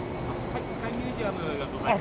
スカイミュージアムだと思います。